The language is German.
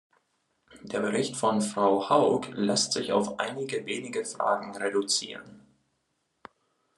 Der Bericht von Frau Haug lässt sich auf einige wenige Fragen reduzieren.